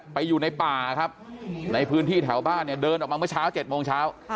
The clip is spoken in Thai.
อยู่ในป่าครับในพื้นที่แถวบ้านเนี่ยเดินออกมาเมื่อเช้า๗โมงเช้า